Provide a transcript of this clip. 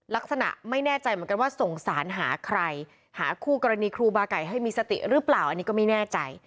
ลักษณะไม่แน่ใจเหมือนกันว่าสงสารหาใครหาคู่กรณีครูบาไก่ให้มีสติหรือเปล่าอันนี้ก็ไม่แน่ใจ